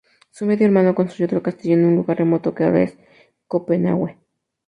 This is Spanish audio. Su medio hermano construyó otro castillo en un lugar remoto, que ahora es Copenhague.